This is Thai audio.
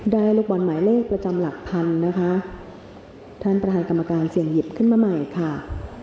ลูกบอลหมายเลขประจำหลักพันนะคะท่านประธานกรรมการเสี่ยงหยิบขึ้นมาใหม่ค่ะ